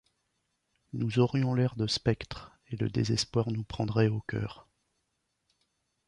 Nous aurions l’air de spectres, et le désespoir nous prendrait au cœur.